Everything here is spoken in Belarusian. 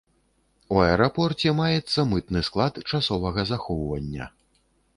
У аэрапорце маецца мытны склад часовага захоўвання.